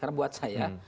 karena buat saya